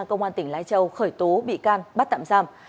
công an tỉnh lai châu khởi tố bị can bắt tạm giam